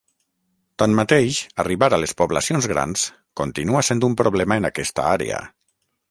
Tanmateix, arribar a les poblacions grans continua sent un problema en aquesta àrea.